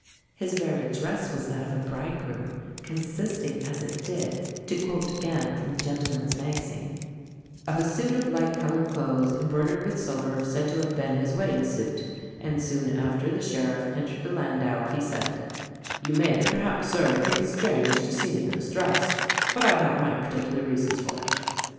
His very dress was that of a bridegroom, consisting, as it did, to quote again from the Gentleman's Magazine, "of a suit of light coloured clothes, embroidered with silver, said to have been his wedding suit; and soon after the Sheriff entered the landau, he said, 'You may, perhaps, sir, think it strange to see me in this dress, but I have my particular reasons for it.'